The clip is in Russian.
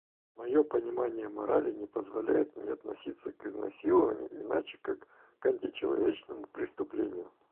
Моё понимание морали не позволяет мне относиться к изнасилованию, иначе как к античеловечному преступлению.